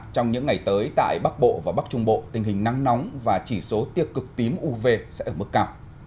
trong những ngày tới tại bắc bộ và bắc trung bộ tình hình nắng nóng và chỉ số tiêu cực tím uv sẽ ở mức cao